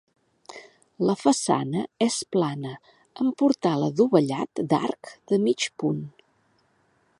La façana és plana amb portal adovellat d'arc de mig punt.